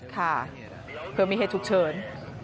ค่ะเพื่อมีเหตุเชิญ